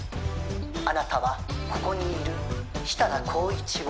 「あなたはここにいる設楽紘一を」